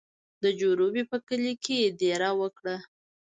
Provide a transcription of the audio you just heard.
د جروبي په کلي کې یې دېره وکړه.